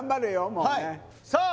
もうねさあ